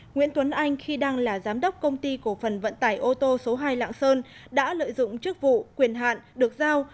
nguyễn tuấn anh khi đang là giám đốc công ty cổ phần vận tải ô tô số hai lạng sơn đã lợi dụng chức vụ quyền hạn được giao